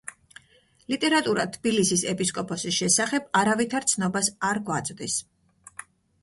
ლიტერატურა თბილისის ეპისკოპოსის შესახებ არავითარ ცნობას არ გვაწვდის.